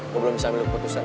gue belum bisa ambil keputusan